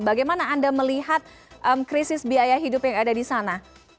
bagaimana anda melihat krisis biaya hidup yang ada di sana